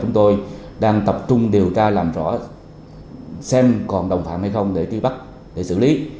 chúng tôi đang tập trung điều tra làm rõ xem còn đồng phạm hay không để truy bắt để xử lý